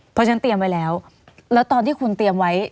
เพราะฉะนั้นเตรียมไว้แล้วแล้วตอนที่คุณเตรียมไว้